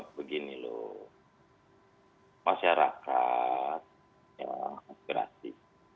begini loh masyarakat ya aspirasi